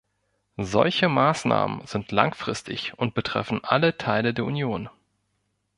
Solche Maßnahmen sind langfristig und betreffen alle Teile der Union.